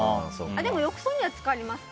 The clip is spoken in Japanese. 浴槽にはつかりますか？